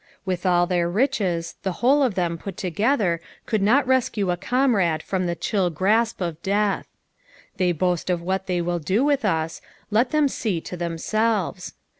With all their riches, the whole of them put together could not rescue a comrade from the chill grasp of death. They boast of what they will do with us, let them see to themselves.